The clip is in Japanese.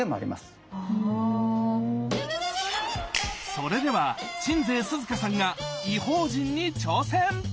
それでは鎮西寿々歌さんが「異邦人」に挑戦！